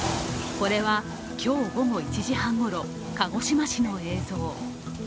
これは、今日午後１時半ごろ、鹿児島市の映像。